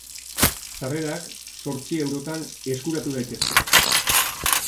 Sarrerak zortzi eurotan eskuratu daitezke.